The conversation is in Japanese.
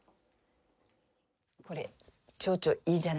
これチョウチョいいじゃないですか。